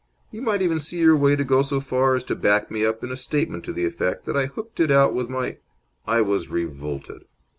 You might even see your way to go so far as to back me up in a statement to the effect that I hooked it out with my ?" I was revolted.